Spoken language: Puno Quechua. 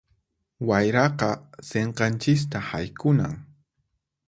Wayraqa sinqanchista haykunan.